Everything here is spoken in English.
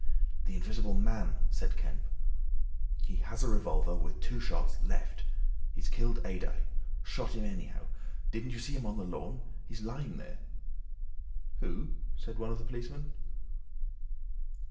"The Invisible Man!" said Kemp. "He has a revolver, with two shots—left. He's killed Adye. Shot him anyhow. Didn't you see him on the lawn? He's lying there." "Who?" said one of the policemen.